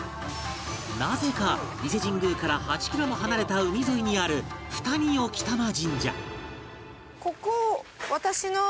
なぜか伊勢神宮から８キロも離れた海沿いにある二見興玉神社